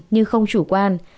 như không chủ quan